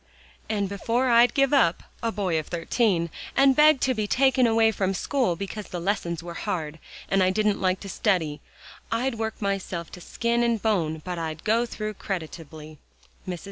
"And before I'd give up, a boy of thirteen, and beg to be taken away from school because the lessons were hard, and I didn't like to study, I'd work myself to skin and bone but I'd go through creditably."